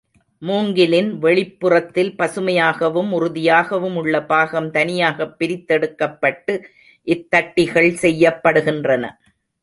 மூங்கிலின் வெளிப்புறத்தில் பசுமையாகவும் உறுதியாகவும் உள்ள பாகம் தனியாகப் பிரித்தெடுக்கப்பட்டு இத் தட்டிகள் செய்யப்படுகின்றன.